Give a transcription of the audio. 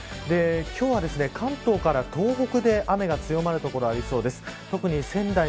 今日は関東から東北で雨が強まる所、ありそうです。